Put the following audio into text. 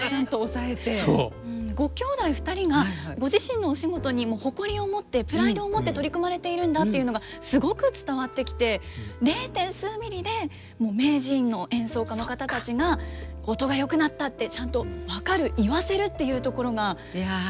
ご兄弟２人がご自身のお仕事に誇りを持ってプライドを持って取り組まれているんだっていうのがすごく伝わってきて０．数ミリで名人の演奏家の方たちが「音がよくなった」ってちゃんと分かる言わせるっていうところがプロだなという。